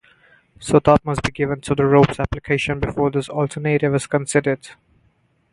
So thought must be given to the rope's application before this alternative is considered.